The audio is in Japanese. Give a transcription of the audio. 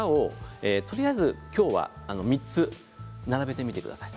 とりあえず、きょうは３つ並べてみてください。